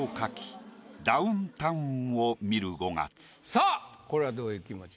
さぁこれはどういう気持ち？